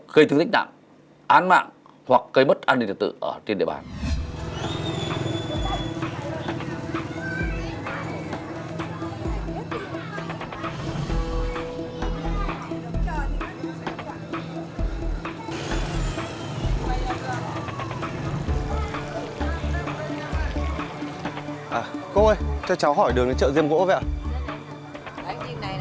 cô ơi cho cháu hỏi đường cái chợ riêng gỗ vậy ạ